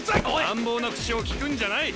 乱暴な口をきくんじゃない。